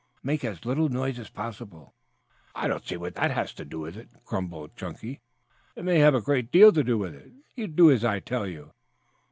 Make as little noise as possible." "I don't see what that has to do with it," grumbled Chunky. "It may have a great deal to do with it. You do as I tell you."